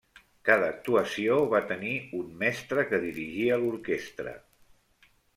Cada actuació va tenir un mestre que dirigia l'orquestra.